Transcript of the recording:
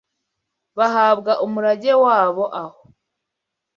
bahabwa umurage wabo aho